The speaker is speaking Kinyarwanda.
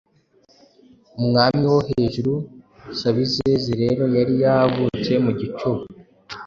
Umwami wo Hejuru"Sabizeze rero yari yavutse mu gicuba